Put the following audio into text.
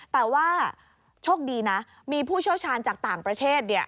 แต่ว่าโชคดีนะมีผู้เชี่ยวชาญจากต่างประเทศ